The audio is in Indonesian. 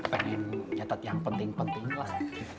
penin nyetat yang penting penting lah